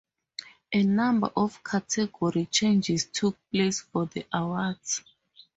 A number of category changes took place for the awards.